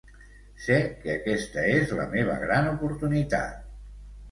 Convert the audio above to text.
Sé que aquesta és la meva gran oportunitat.